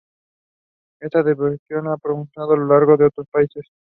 Esta devoción se propagó a lo largo de otros países.